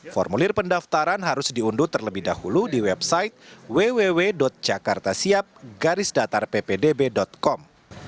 formulir pendaftaran harus diunduh terlebih dahulu di website www jakartasiap ppdb com